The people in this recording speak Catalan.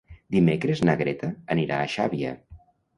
Dimecres na Greta anirà a Xàbia.